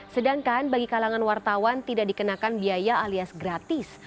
sedangkan bagi kalangan wartawan tidak dikenakan biaya alias gratis